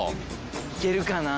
いけるかな。